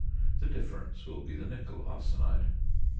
The difference will be the nickel arsenide.